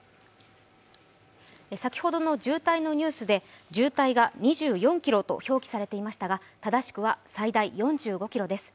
先ほどの渋滞のニュースで渋滞が２４ｋｍと表記されていましたが正しくは最大４５ｋｍです。